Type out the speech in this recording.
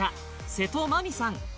瀬戸麻実さん